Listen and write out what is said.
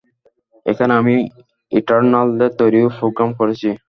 এখানে আমি ইটারনালদের তৈরি ও প্রোগ্রাম করেছি।